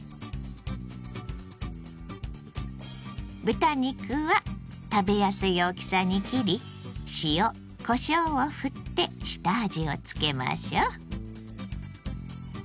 豚肉は食べやすい大きさに切り塩こしょうをふって下味をつけましょう。